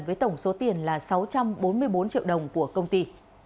với tổng số tiền là sáu trăm bốn mươi bốn triệu đồng của công ty